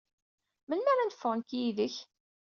Melmi ara neffeɣ nekk yid-k?